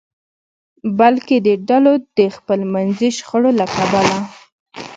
بلکې د ډلو د خپلمنځي شخړو له کبله.